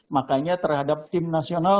makanya terhadap tim nasional